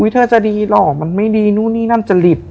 เธอจะดีหรอกมันไม่ดีนู่นนี่นั่นจริต